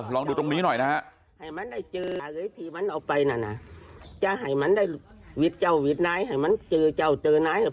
ลองดูตรงนี้หน่อยนะฮะ